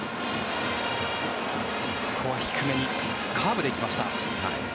ここは低めにカーブで行きました。